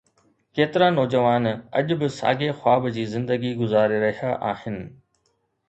ڪيترا نوجوان اڄ به ساڳي خواب جي زندگي گذاري رهيا آهن؟